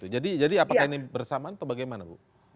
jadi apakah ini bersamaan atau bagaimana bu